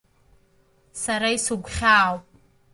Сара исыгәхьаау…